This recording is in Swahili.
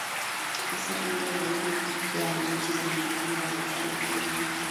hasa India zaidi ya na nchi za kandokando yakeKiarabu ni